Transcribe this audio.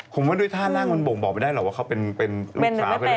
ผมว่าด้วยท่าล่างมันบ่งบอกไปได้หรือเป็นลูกค้า